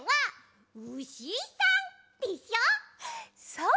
そう！